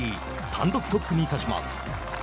単独トップに立ちます。